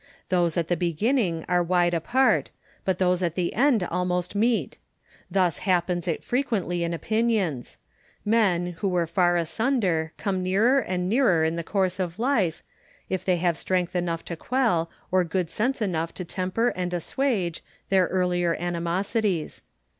Those at the beginning are wide apart, but those at the end almost meet. Thus happens it frequently in opinions. Men, who were far asunder, come nearer and nearer in the course of life, if they have strength enough to quell, or good sense enough to temper and assuage, their earlier animosities.